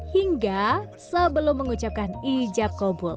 hingga sebelum mengucapkan ijab kobul